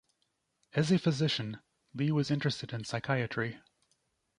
As a physician, Li was interested in psychiatry.